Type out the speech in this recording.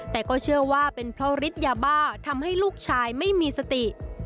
แต่ก็เชื่อว่าเป็นเพราะฤทธิ์ยาบ้าทำให้ลูกชายไม่มีสติ